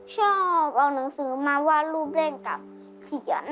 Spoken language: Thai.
ชอบเอาหนังสือมาวาดรูปเล่นกับพี่จัน